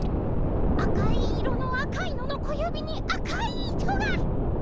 赤い色の赤いのの小指に赤い糸が！